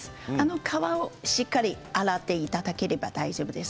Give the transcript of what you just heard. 皮をしっかり洗っていただければ大丈夫です。